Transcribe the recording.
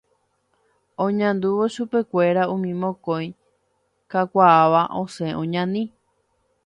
Oñandúvo chupekuéra umi mokõi kakuaáva osẽ oñani.